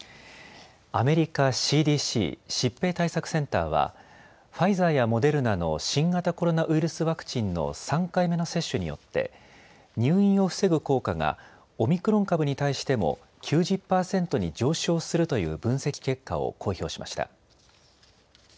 アメリカＣＤＣ・疾病対策センターは、ファイザーやモデルナの新型コロナウイルスワクチンの３回目の接種によって入院を防ぐ効果がオミクロン株に対しても９０％に上昇するという分析結果を公表しました。